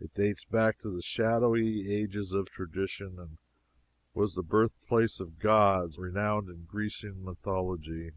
It dates back to the shadowy ages of tradition, and was the birthplace of gods renowned in Grecian mythology.